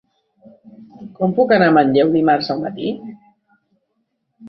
Com puc anar a Manlleu dimarts al matí?